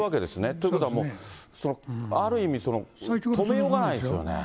ということはもう、ある意味、止めようがないですよね。